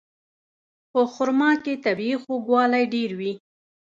په خرما کې طبیعي خوږوالی ډېر وي.